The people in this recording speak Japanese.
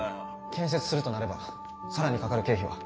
建設するとなれば更にかかる経費は？